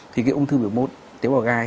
thì cái ung thư biểu mốt tế bào gai